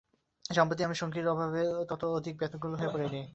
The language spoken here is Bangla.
সম্প্রতি আমি সঙ্গীর অভাবে তত অধিক ব্যাকুল হয়ে পড়ি নি ।